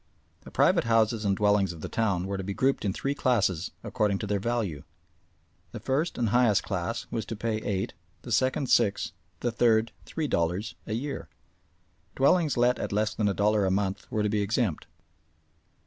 The private houses and dwellings of the town were to be grouped in three classes according to their value. The first and highest class was to pay eight, the second six, the third three dollars a year. Dwellings let at less than a dollar a month were to be exempt.